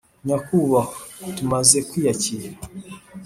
nyakubahwa! tumaze kwiyakira